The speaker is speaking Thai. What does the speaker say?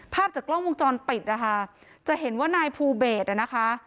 ภาพจากกล้องวงจรปิดนะคะจะเห็นว่านายภูเบสนะคะ